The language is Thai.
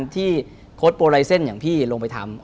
โค้ดโปรไลเซ็นต์อย่างพี่ลงไปทำ